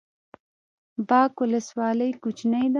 باک ولسوالۍ کوچنۍ ده؟